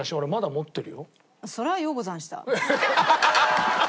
それはようござんした。